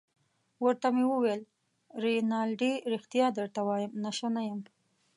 ورته ومې ویل: رینالډي ريښتیا درته وایم، نشه نه یم.